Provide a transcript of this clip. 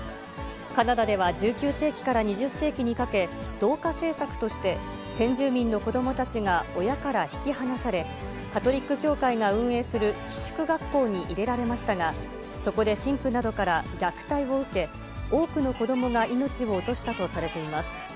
カナダでは１９世紀から２０世紀にかけ、同化政策として、先住民の子どもたちが親から引き離され、カトリック教会が運営する寄宿学校に入れられましたが、そこで神父などから虐待を受け、多くの子どもが命を落としたとされています。